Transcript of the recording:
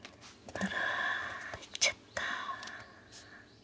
あら逝っちゃった。